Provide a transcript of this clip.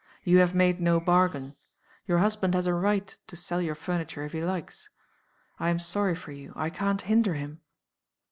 You have made no bargain. Your husband has a right to sell your furniture if he likes. I am sorry for you; I can't hinder him.